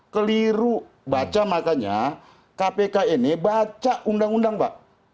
keliru baca makanya kpk ini baca undang undang pak